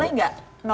kita boleh nggak